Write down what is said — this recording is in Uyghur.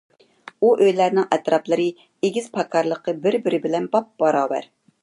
ئۇ ئۆيلەرنىڭ ئەتراپلىرى، ئېگىز - پاكارلىقى بىر - بىرى بىلەن بابباراۋەر.